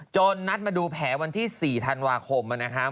นัดมาดูแผลวันที่๔ธันวาคมนะครับ